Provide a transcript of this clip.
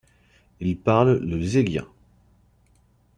Ils parlent le lezghien.